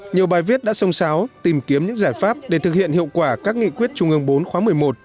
nhiều bài viết đã sông sáo tìm kiếm những giải pháp để thực hiện hiệu quả các nghị quyết trung ương bốn khóa một mươi một một mươi hai